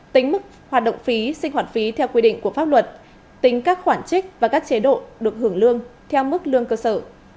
tính mức hoạt động phí sinh hoạt phí theo quy định của pháp luật tính các khoản trích và các chế độ được hưởng lương theo mức lương cơ sở